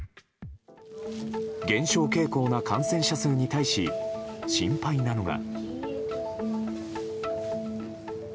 減少傾向な感染者数に対し心配なのが。